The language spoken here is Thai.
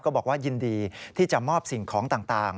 บอกว่ายินดีที่จะมอบสิ่งของต่าง